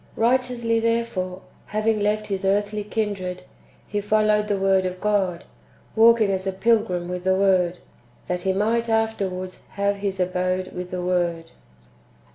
"^ Kighteously, therefore, having left his earthly kindred, he followed the Word of God, walking as a pilgrim with the Word, that he might [afterwards] have his abode with the Word.